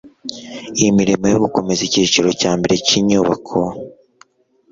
Imirimo yo gukomeza icyiciro cya mbere cy inyubako